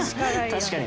確かに。